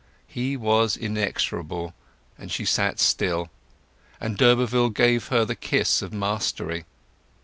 He was inexorable, and she sat still, and d'Urberville gave her the kiss of mastery.